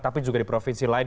tapi juga di provinsi lain